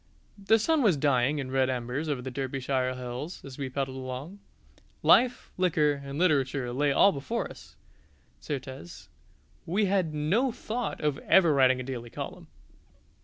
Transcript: The sun was dying in red embers over the Derbyshire hills as we pedalled along. Life, liquor, and literature lay all before us; certes, we had no thought of ever writing a daily column!